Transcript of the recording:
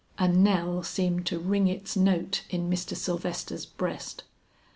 A knell seemed to ring its note in Mr. Sylvester's breast.